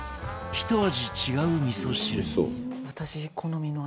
ひと味違うみそ汁に。